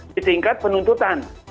di tingkat penuntutan